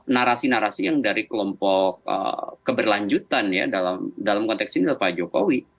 narasi narasi yang dari kelompok keberlanjutan ya dalam konteks ini adalah pak jokowi